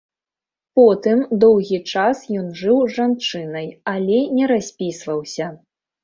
Потым доўгі час ён жыў з жанчынай, але не распісваўся.